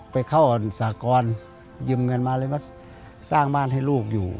ไปเข้าสากรยืมเงินมาเลยมาสร้างบ้านให้ลูกอยู่